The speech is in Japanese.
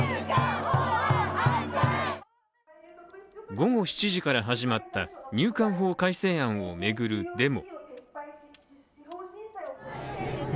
午後７時から始まった入管法改正案を巡るデモ。